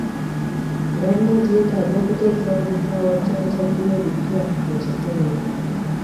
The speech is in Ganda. Gavumenti yeetaaga okuteekawo ebifo awajjanjabirwa ebipya mu kitundu.